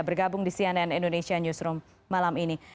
bergabung di cnn indonesia newsroom malam ini